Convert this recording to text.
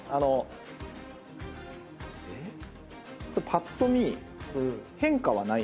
ぱっと見変化はない。